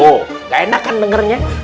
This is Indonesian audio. oh gak enak kan dengernya